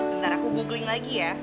bentar aku googling lagi ya